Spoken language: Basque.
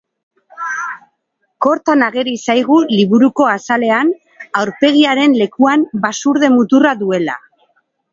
Kortan ageri zaigu liburuko azalean, aurpegiaren lekuan basurde muturra duela.